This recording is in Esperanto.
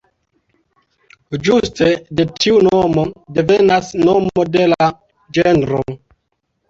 Ĝuste de tiu nomo devenas nomo de la ĝenro.